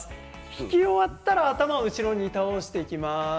引き終わったら胸を後ろに倒していきます。